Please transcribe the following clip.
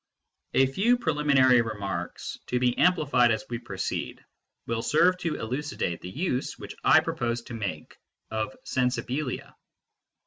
A few preliminary remarks, to be amplified as we pro ceed, will serve to elucidate the use which I propose to make of sensibilia.